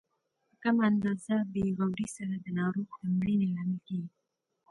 په کمه اندازه بې غورۍ سره د ناروغ د مړینې لامل کیږي.